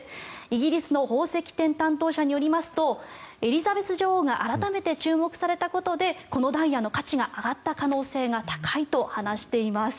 イギリスの宝石店担当者によりますとエリザベス女王が改めて注目されたことでこのダイヤの価値が上がった可能性が高いと話しています。